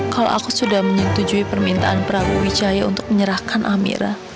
kalau aku sudah menyetujui permintaan prawijaya untuk menyerahkan amira